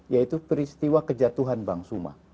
yaitu peristiwa kejatuhan bank suma